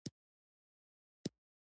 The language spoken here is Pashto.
خو پلان نشته.